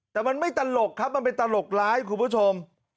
แต่มันไม่ตลกครับมันเป็นตลกร้ายคุณผู้ชม